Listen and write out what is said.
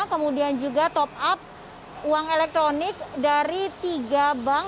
kemudian juga top up uang elektronik dari tiga bank